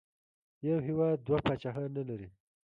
یو هېواد دوه پاچاهان نه لري.